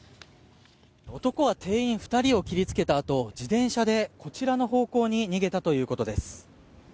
男は店員２人を切りつけたあと自転車でこちらの方向に逃げたということです。